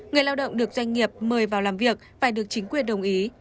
người lao động được doanh nghiệp mời vào làm việc phải được chính quyền đồng ý